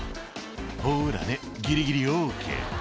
「ほらねギリギリＯＫ」